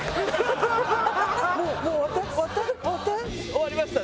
「終わりました」